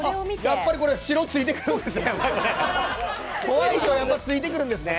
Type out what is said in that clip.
やっぱりこれ、白ついてくるんですね！